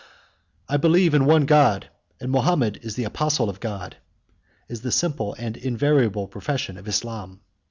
"I believe in one God, and Mahomet the apostle of God," is the simple and invariable profession of Islam.